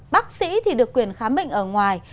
bác sĩ thì được quyền khám bệnh ở ngoài